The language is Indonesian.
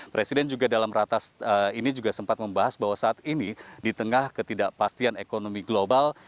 presiden juga dalam ratas ini juga sempat membahas bahwa saat ini di tengah ketidakpastian ekonomi global